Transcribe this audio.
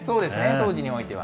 当時においては。